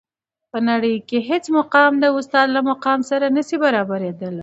په نړۍ کي هیڅ مقام د استاد له مقام سره نسي برابري دلای.